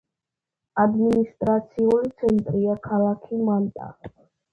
ადმინისტრაციული ცენტრია ქალაქი მანტა.